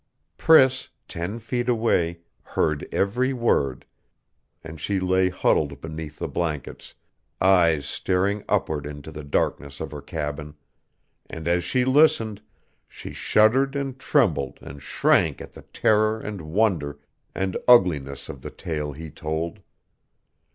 Priss, ten feet away, heard every word; and she lay huddled beneath the blankets, eyes staring upward into the darkness of her cabin; and as she listened, she shuddered and trembled and shrank at the terror and wonder and ugliness of the tale he told.